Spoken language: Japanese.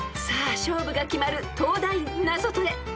［さあ勝負が決まる東大ナゾトレ］